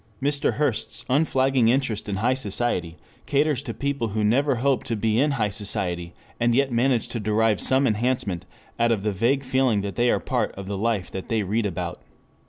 Mr. Hearst's unflagging interest in high society caters to people who never hope to be in high society, and yet manage to derive some enhancement out of the vague feeling that they are part of the life that they read about.